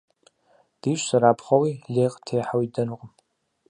Дищӏ зэрапхъуэуи, лей къыттехьэуи ддэнукъым!